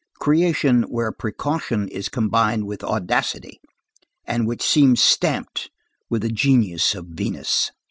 Creation where precaution is combined with audacity and which seemed stamped with the genius of Venice.